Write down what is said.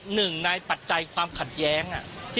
หนึ่งในปัจจัยความขัดแย้ง